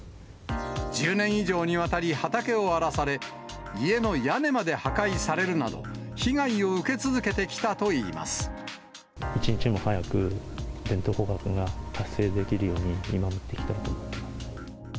１０年以上にわたり畑を荒らされ、家の屋根まで破壊されるなど、一日も早く、全頭捕獲が達成できるように、見守っていきたいと思っています。